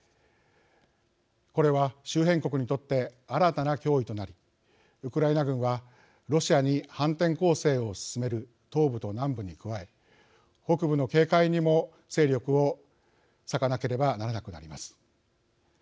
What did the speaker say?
これは周辺国にとって新たな脅威となりウクライナ軍はロシアに反転攻勢を進める東部と南部に加え北部の警戒にも勢力を割かなければならなくなります。